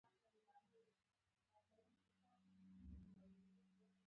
چین صادرات ډېر کړل.